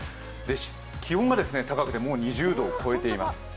気温が高くて、もう２０度を超えています。